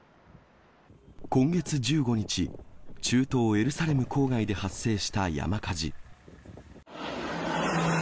今月１５日、中東エルサレム郊外で発生した山火事。